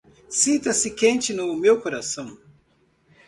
Sinta-se quente no meu coração